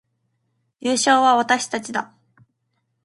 優勝は私たちだ